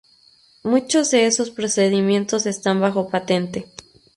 Muchos de esos procedimientos están bajo patente.